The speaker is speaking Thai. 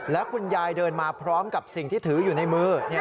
แล้วคุณยายเดินมาพร้อมกับสิ่งที่ถืออยู่ในมือ